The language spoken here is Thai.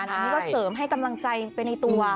อันนี้ก็เสริมให้กำลังใจไปในตัว